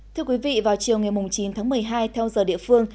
thưa quý vị vào chiều ngày chín tháng một mươi hai theo giờ địa phương